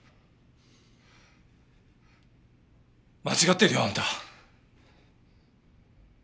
間違ってるよあんた。